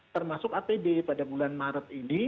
termasuk apd pada bulan maret ini